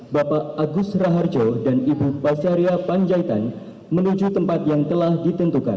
bapak agus raharjo dan ibu bazarya panjaitan menuju tempat yang telah ditentukan